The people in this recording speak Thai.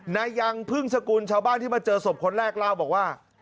ยังพึ่งสกุลชาวบ้านที่มาเจอศพคนแรกเล่าบอกว่า